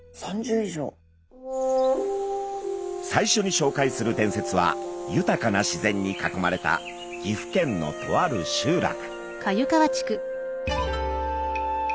最初にしょうかいする伝説は豊かな自然に囲まれた岐阜県のとある集落。